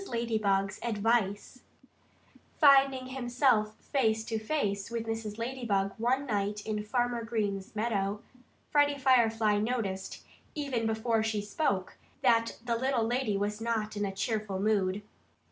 LADYBUG'S ADVICE Finding himself face to face with Mrs. Ladybug one night in Farmer Green's meadow, Freddie Firefly noticed, even before she spoke, that the little lady was not in a cheerful mood.